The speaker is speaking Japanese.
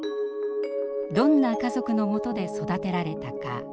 「どんな家族のもとで育てられたか」。